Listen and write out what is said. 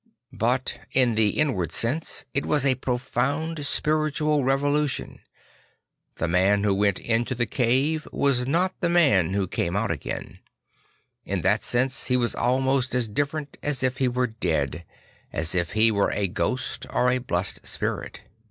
But in the inward sense it was a profound spiritual revolu tion. The man who went into the cave was not the man who came out again; in th3.t sense he was almost as different as if he were dead, as if he were a ghost or a blessed spirit.